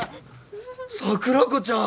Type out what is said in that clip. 桜子ちゃん。